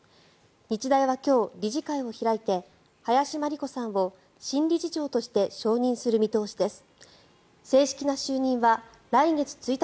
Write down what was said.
日大は今日、理事会を開いて林真理子さんを新理事長として承認する見通しです。